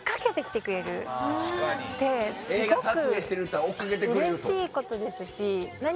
映画撮影してるっていうたら追っかけてくれると。